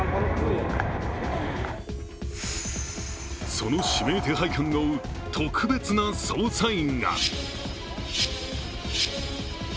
その指名手配犯を追う、特別な捜査員が。